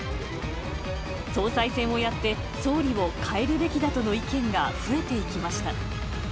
総裁選をやって総理を代えるべきだとの意見が増えていきました。